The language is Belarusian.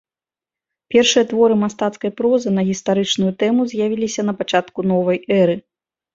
Першыя творы мастацкай прозы на гістарычную тэму з'явіліся на пачатку новай эры.